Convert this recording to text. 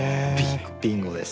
ビンゴです。